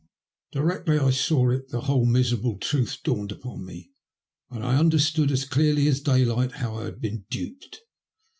Directly I saw it the whole miserable truth dawned upon me, and I under stood as clearly as daylight how I had been duped.